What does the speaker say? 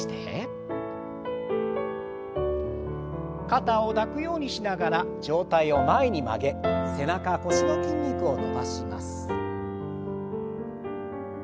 肩を抱くようにしながら上体を前に曲げ背中腰の筋肉を伸ばします。